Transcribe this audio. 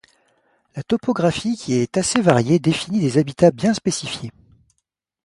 La topographie qui est assez variée définit des habitats bien spécifiés.